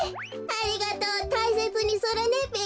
ありがとうたいせつにするねべ。